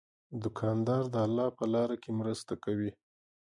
دوکاندار د الله په لاره کې مرسته کوي.